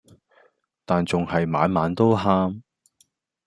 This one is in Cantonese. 但仲係晚晚都喊